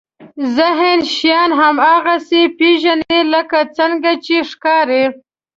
ذهن شیان هماغسې پېژني لکه څرنګه چې ښکاري.